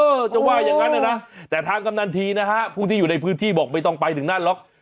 จะว่าอย่างนั้นนะนะแต่ทางกำนันทีนะฮะผู้ที่อยู่ในพื้นที่บอกไม่ต้องไปถึงนั่นหรอก